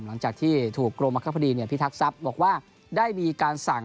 หลังจากที่ถูกกรมบังคับคดีพิทักษัพบอกว่าได้มีการสั่ง